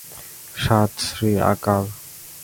সাত শ্রী আকাল!